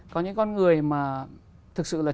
có những con người mà thực sự là